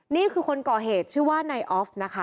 นี่คือคนก่อเหตุชื่อว่านายออฟนะคะ